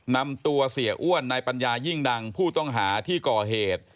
นำตัวเสียอ้วนนายปัญญายิ่งดังผู้ต้องหาที่ก่อเหตุ